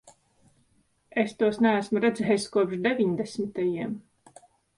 Es tos neesmu redzējis kopš deviņdesmitajiem.